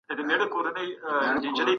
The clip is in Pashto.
کومې لارې چي تاسو وښودلې ډېرې سمې وې.